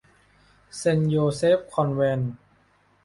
เซนต์โยเซฟคอนแวนต์